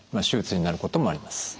手術になることもあります。